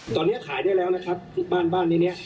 ตอนนี้ขายได้แล้วนะครับทุกบ้านบ้านในนี้